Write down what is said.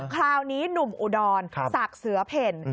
คราวนี้หนุ่มอุดรศักดิ์เสือเพ่น